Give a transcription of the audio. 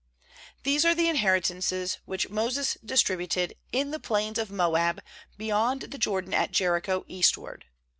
^These are the inheritances which Moses distributed in the plains of Moab, beyond the Jordan at Jericho, eastward.